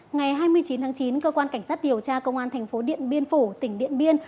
ngày hai mươi chín tháng chín cơ quan cảnh sát điều tra công an thành phố điện biên phủ tỉnh điện biên